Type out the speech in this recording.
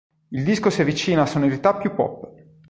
Il disco si avvicina a sonorità più pop.